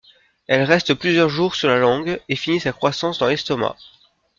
Elle reste plusieurs jours sur la langue, et finit sa croissance dans l’estomac.